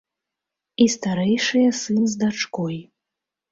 І старэйшыя сын з дачкой.